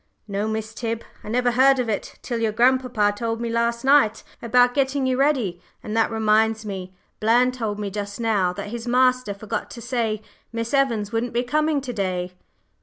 "No, Miss Tib. I never heard of it till your grandpapa told me last night about getting you ready. And that reminds me Bland told me just now that his master forgot to say Miss Evans wouldn't be coming to day."